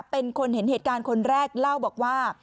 เป็นคนเห็นเหตุการณ์คนแรกเล่าบอกว่า